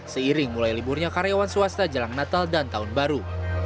seiring mulai liburnya karyawan swasta jelang natal dan tahun baru